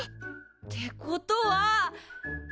ってことは！